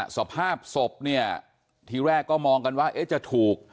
สภาพที่แรกก็มองกันว่าจะถูก